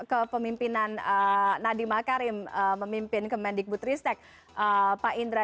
kepemimpinan nadiemah karim memimpin kemendikbudristek pak indra